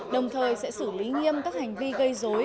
đồng thời sẽ xử lý nghiêm các hành vi gây dối